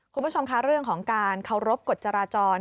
คุณผู้ชมคะเรื่องของการเคารพกฎจราจร